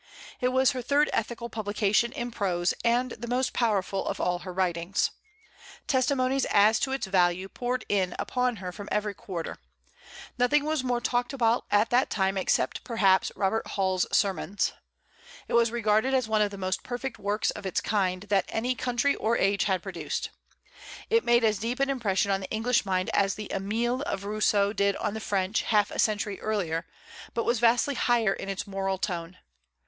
It was her third ethical publication in prose, and the most powerful of all her writings. Testimonies as to its value poured in upon her from every quarter. Nothing was more talked about at that time except, perhaps, Robert Hall's "Sermons." It was regarded as one of the most perfect works of its kind that any country or age had produced. It made as deep an impression on the English mind as the "Émile" of Rousseau did on the French half a century earlier, but was vastly higher in its moral tone.